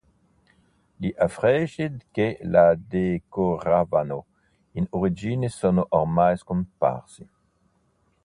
Gli affreschi che la decoravano in origine sono ormai scomparsi.